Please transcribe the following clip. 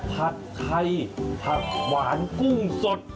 ผัดไทยผักหวานกุ้งสด